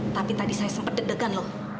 tapi tadi saya sempat deg degan loh